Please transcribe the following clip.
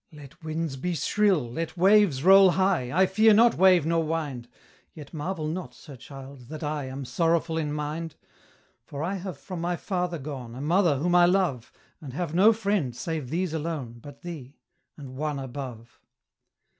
'Let winds be shrill, let waves roll high, I fear not wave nor wind; Yet marvel not, Sir Childe, that I Am sorrowful in mind; For I have from my father gone, A mother whom I love, And have no friend, save these alone, But thee and One above.